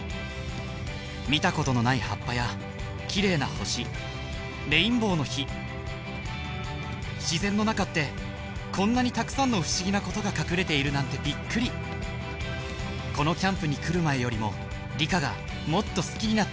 見たことのない葉っぱや綺麗な星レインボーの火自然の中ってこんなにたくさんの不思議なことが隠れているなんてびっくりこのキャンプに来る前よりも理科がもっと好きになった気がします